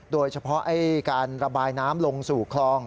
โดยเฉพาะการระบายน้ำลงสู่คลอง